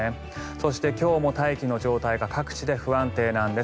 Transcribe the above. そして今日も大気の状態が各地で不安定なんです。